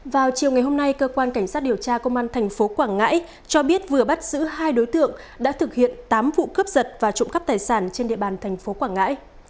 vào chiều ngày hôm nay cơ quan cảnh sát điều tra công an thành phố quảng ngãi cho biết vừa bắt giữ hai đối tượng đã thực hiện tám vụ cướp giật và trộm cắp tài sản trên địa bàn thành phố quảng ngãi